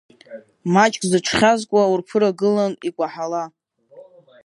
Маҷк зыҽхьазкуа урԥырагылан икәаҳала.